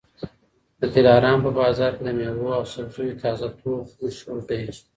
د دلارام په بازار کي د مېوو او سبزیو تازه توب مشهور دی.